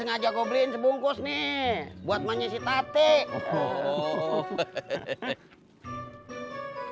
aja gue beliin sebungkus nih buat menyisit hati oh hehehe